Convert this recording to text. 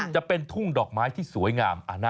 จะเป็นทุ่งดอกไม้ที่สวยงาม